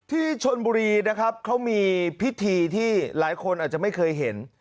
ที่ชนบุรีนะครับเขามีพิธีที่หลายคนอาจจะไม่เคยเห็น